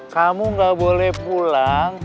kamu gak boleh pulang